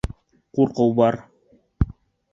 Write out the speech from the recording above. Ҡурҡыуы бар.